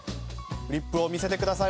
フリップを見せてください。